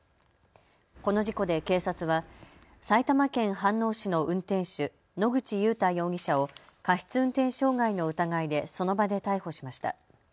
この事故で警察は埼玉県飯能市の運転手、野口祐太容疑者を過失運転傷害の疑いでその場で逮捕しました。